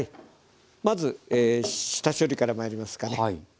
まず下処理からまいりますかね。